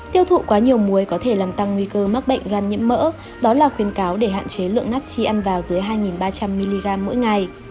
tiêu thụ quá nhiều muối có thể làm tăng nguy cơ mắc bệnh gan nhiễm mỡ đó là khuyến cáo để hạn chế lượng nắt chi ăn vào dưới hai ba trăm linh mg mỗi ngày